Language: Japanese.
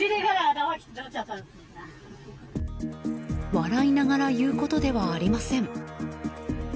笑いながら言うことではありません。